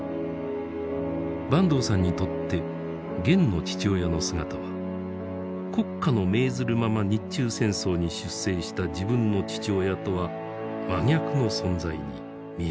坂東さんにとってゲンの父親の姿は国家の命ずるまま日中戦争に出征した自分の父親とは真逆の存在に見えました。